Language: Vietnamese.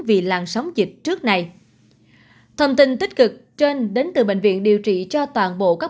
bằng sống dịch trước nay thông tin tích cực trên đến từ bệnh viện điều trị cho toàn bộ các